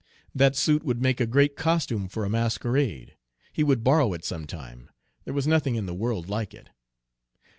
That suit would make a great costume for a masquerade. He would borrow it some time, there was nothing in the world like it.